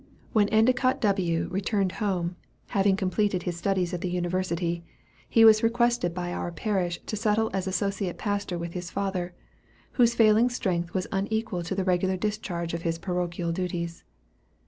When Endicott W. returned home, having completed his studies at the University, he was requested by our parish to settle as associate pastor with his father, whose failing strength was unequal to the regular discharge of his parochial duties.